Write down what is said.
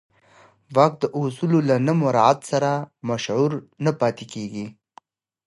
واک د اصولو له نه مراعت سره مشروع نه پاتې کېږي.